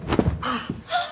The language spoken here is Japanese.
あっ！